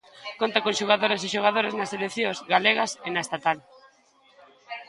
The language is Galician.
Conta con xogadoras e xogadores nas seleccións galegas e na estatal.